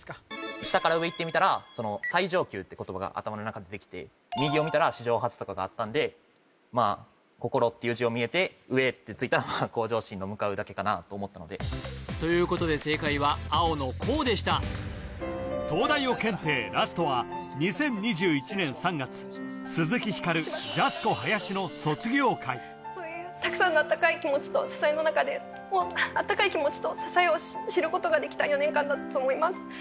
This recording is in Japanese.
下から上へいってみたらその最上級って言葉が頭の中でできて右を見たら史上初とかがあったんでまあ心っていう字を見えて上ってついたらまあ向上心の「向」だけかなと思ったのでということで正解は青の「向」でした東大王検定ラストは２０２１年３月たくさんの温かい気持ちと支えの中で温かい気持ちと支えを知ることができた４年間だったと思います